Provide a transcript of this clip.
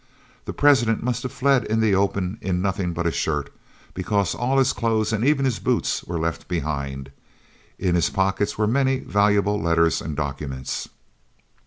The President must have fled in the open in nothing but a shirt, because all his clothes and even his boots were left behind. In his pockets were many valuable letters and documents.